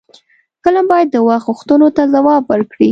فلم باید د وخت غوښتنو ته ځواب ورکړي